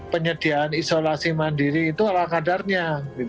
penyediaan isolasi mandiri itu ala kadarnya